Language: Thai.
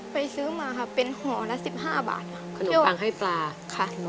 ไปซื้อมาค่ะเป็นห่อละสิบห้าบาทขนมปังให้ปลาค่ะ